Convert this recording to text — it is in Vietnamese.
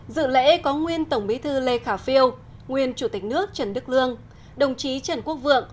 dự lễ có nguyên tổng bí thư lê khả phiêu nguyên chủ tịch nước trần đức lương đồng chí trần quốc vượng